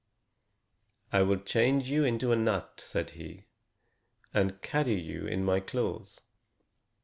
"I will change you into a nut," said he, "and carry you in my claws."